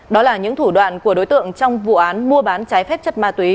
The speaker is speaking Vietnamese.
đó là những thủ đoạn của đối tượng trong vụ án mua bán trái phép chất ma túy